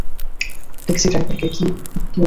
Taxi ড্রাইভারটার কী অবস্থা?